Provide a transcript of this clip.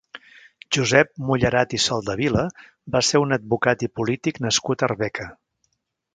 Josep Mullerat i Soldevila va ser un advocat i polític nascut a Arbeca.